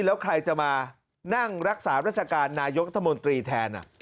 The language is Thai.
แล้วใครจะมานั่งรักษาราชการนายกรัฐมนตรีแทน